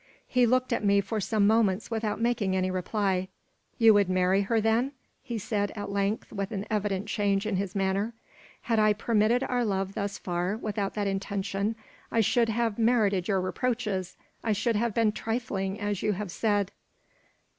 He looked at me for some moments without making any reply. "You would marry her, then?" he said, at length, with an evident change in his manner. "Had I permitted our love thus far, without that intention, I should have merited your reproaches. I should have been `trifling,' as you have said."